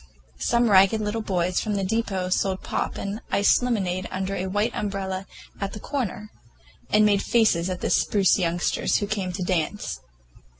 Some ragged little boys from the depot sold pop and iced lemonade under a white umbrella at the corner, and made faces at the spruce youngsters who came to dance.